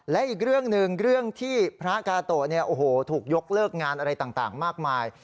และอีกเรื่องหนึ่งเรื่องที่พระกาโตะถูกยกเลิกงานอะไรต่างมากมาย